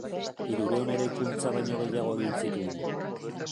Hirurehun eraikuntza baino gehiago egin zituen.